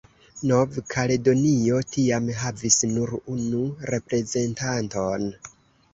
Nov-Kaledonio tiam havis nur unu reprezentanton.